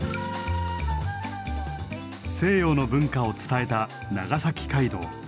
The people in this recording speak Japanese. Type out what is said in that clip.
西洋の文化を伝えた長崎街道。